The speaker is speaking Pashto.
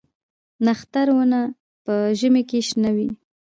نښتر ونه په ژمي کې شنه وي؟